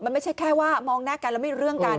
มันไม่ใช่แค่ว่ามองหน้ากันแล้วมีเรื่องกัน